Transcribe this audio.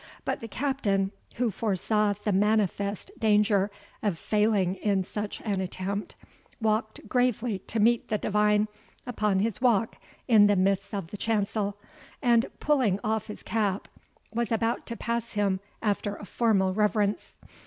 But the Captain, who foresaw the manifest danger of failing in such an attempt, walked gravely to meet the divine upon his walk in the midst of the chancel, and, pulling off his cap, was about to pass him after a formal reverence.